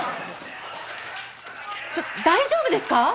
ちょっと大丈夫ですか？